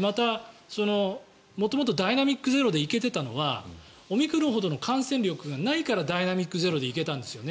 また元々、ダイナミック・ゼロで行けていたのはオミクロンほどの感染力がないからダイナミック・ゼロで行けたんですよね。